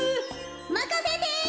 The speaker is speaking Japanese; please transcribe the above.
まかせて。